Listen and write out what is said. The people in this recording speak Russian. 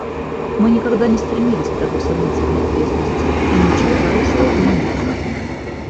Мы никогда не стремились к такой сомнительной известности, и ничего хорошего в ней нет.